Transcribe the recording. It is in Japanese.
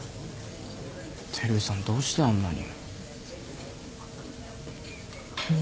照井さんどうしてあんなに。